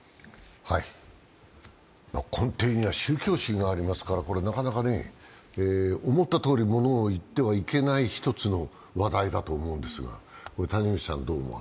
根底には宗教心がありますから、これはなかなかね、思ったとおり言ってはいけない一つの話題だと思うんですが。